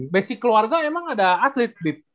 basic keluarga emang ada atlet